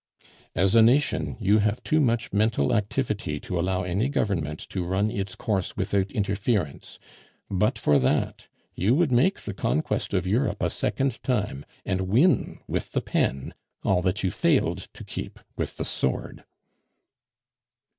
"As a nation, you have too much mental activity to allow any government to run its course without interference. But for that, you would make the conquest of Europe a second time, and win with the pen all that you failed to keep with the sword."